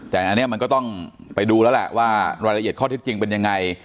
แต่อันนี้มันก็ต้องไปดูแล้วแหละว่ารายละเอียดข้อเท็จจริงเป็นยังไง